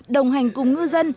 đồng hành cùng ngư dân